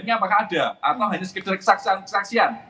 apakah ada atau hanya sekedar kesaksian kesaksian